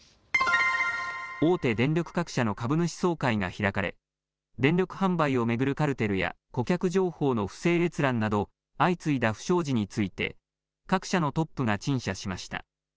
大手電力各社の株主総会が開かれ電力販売を巡るカルテルや顧客情報の不正閲覧など相次いだ不祥事について各社のトップが陳謝しました。